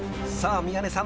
［宮根さん